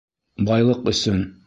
Байлыҡ өсөн!